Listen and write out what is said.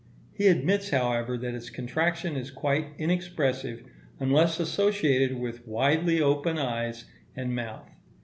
He admits, however, that its contraction is quite inexpressive unless associated with widely open eyes and mouth.